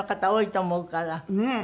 ねえ。